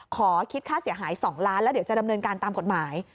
ขอคิดค่าเสียหาย๒ล้านแล้วเดี๋ยวจะดำเนินการตามกฎหมาย